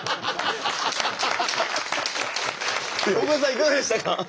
いかがでしたか？